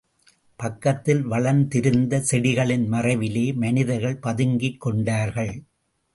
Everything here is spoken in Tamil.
பக்கத்தில் வளர்ந்திருந்த செடிகளின் மறைவிலே மனிதர்கள் பதுங்கிக் கொண்டார்கள்.